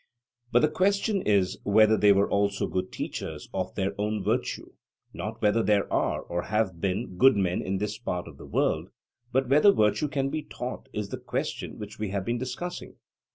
But the question is whether they were also good teachers of their own virtue; not whether there are, or have been, good men in this part of the world, but whether virtue can be taught, is the question which we have been discussing.